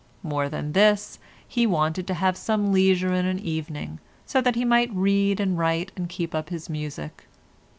More than this, he wanted to have some leisure in an evening, so that he might read and write and keep up his music.